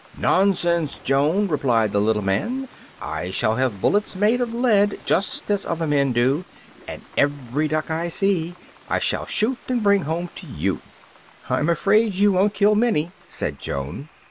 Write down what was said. "Nonsense, Joan," replied the little man, "I shall have bullets made of lead, just as other men do, and every duck I see I shall shoot and bring home to you." "I'm afraid you won't kill many," said Joan.